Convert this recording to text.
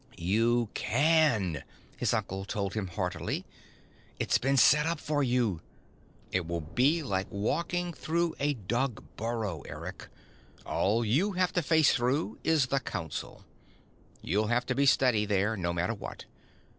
"You can," his uncle told him heartily. "It's been set up for you. It will be like walking through a dug burrow, Eric. All you have to face through is the council. You'll have to be steady there, no matter what.